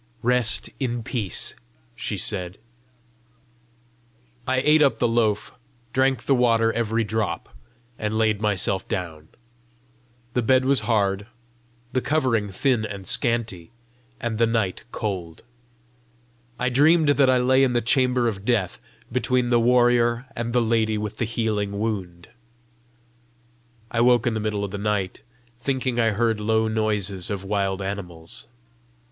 "Rest in peace," she said. I ate up the loaf, drank the water every drop, and laid myself down. The bed was hard, the covering thin and scanty, and the night cold: I dreamed that I lay in the chamber of death, between the warrior and the lady with the healing wound. I woke in the middle of the night, thinking I heard low noises of wild animals.